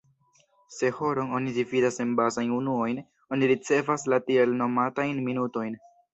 Se horon oni dividas en bazajn unuojn, oni ricevas la tiel nomatajn "minutojn".